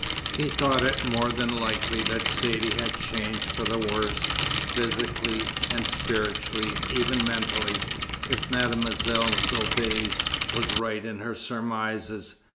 He thought it more than likely that Saidee had changed for the worse, physically and spiritually, even mentally, if Mademoiselle Soubise were right in her surmises.